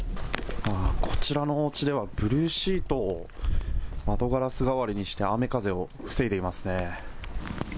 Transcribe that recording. こちらのおうちでは、ブルーシートを窓ガラス代わりにして、雨風を防いでいますね。